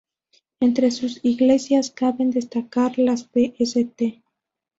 Entre sus iglesias caben destacar las de St.